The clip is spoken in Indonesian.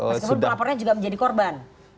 meskipun pelapornya juga menjadi korban